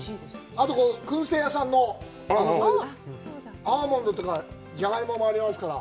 あと燻製屋さんのアーモンドとか、ジャガイモもありますから。